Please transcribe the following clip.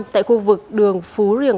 tại khu vực đường phú riêng